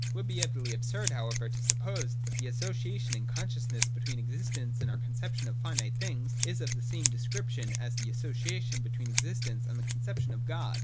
It would be utterly absurd, however, to suppose that the association in consciousness between existence and our conception of finite things is of the same description as the association between existence and the conception of God.